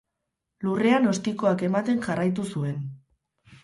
Lurrean ostikoak ematen jarraitu zuen.